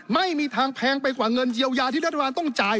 ไม่มีทางแพงไปกว่าเงินเยียวยาที่รัฐบาลต้องจ่าย